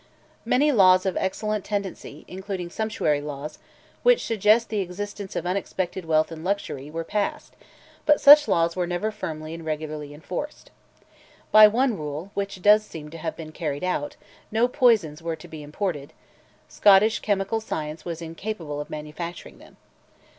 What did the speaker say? Many laws of excellent tendency, including sumptuary laws, which suggest the existence of unexpected wealth and luxury, were passed; but such laws were never firmly and regularly enforced. By one rule, which does seem to have been carried out, no poisons were to be imported: Scottish chemical science was incapable of manufacturing them.